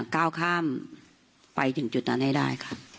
ก้าวข้ามไปถึงจุดนั้นให้ได้ค่ะ